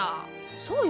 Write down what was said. そうよ。